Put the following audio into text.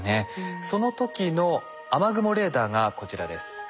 その時の雨雲レーダーがこちらです。